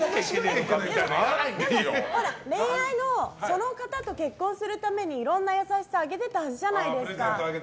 でも、恋愛でその方と結婚するためにいろんな優しさをあげてたはずじゃないですか。